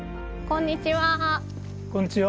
こんにちは。